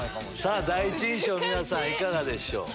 第一印象皆さんいかがでしょう？